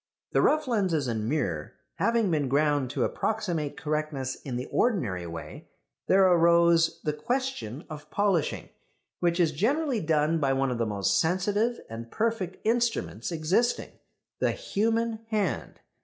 The rough lenses and mirror having been ground to approximate correctness in the ordinary way, there arose the question of polishing, which is generally done by one of the most sensitive and perfect instruments existing the human hand.